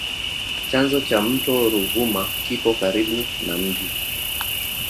Chanzo cha mto Ruvuma kipo karibu na mji.